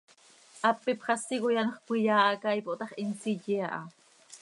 Hap ipxasi coi anxö cömiyaa hac aa ipooh ta x, hin nsiye aha.